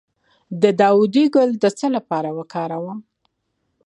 د داودي ګل د څه لپاره وکاروم؟